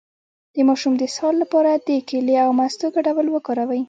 د ماشوم د اسهال لپاره د کیلې او مستو ګډول وکاروئ